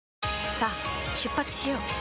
さあ出発しよう。